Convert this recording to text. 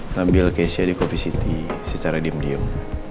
nambil keisha di kopi city secara diem diem